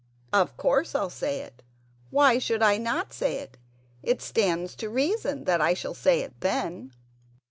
'" "Of course I'll say it; why should I not say it? It stands to reason that I shall say it then."